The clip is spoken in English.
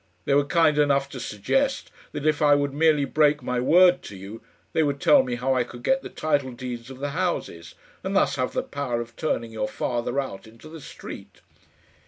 They were kind enough to suggest that if I would merely break my word to you, they would tell me how I could get the title deeds of the houses, and thus have the power of turning your father out into the street."